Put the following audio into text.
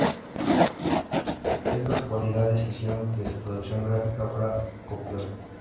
Estas cualidades hicieron que su producción gráfica fuera copiosa.